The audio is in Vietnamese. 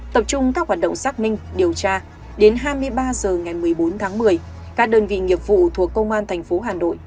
tập trung các hoạt động xác minh điều tra đến hai mươi ba h ngày một mươi bốn tháng một mươi các đơn vị nghiệp vụ thuộc công an tp hà nội